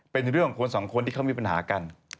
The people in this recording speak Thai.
เป็นเรื่องของคนสองคนที่เขามีปัญหากัน